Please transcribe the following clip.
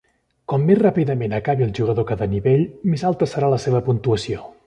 Com més ràpidament acabi el jugador cada nivell, més alta serà la seva puntuació.